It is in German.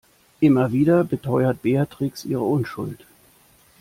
Immer wieder beteuert Beatrix ihre Unschuld.